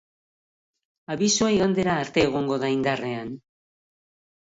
Abisua igandera arte egongo da indarrean.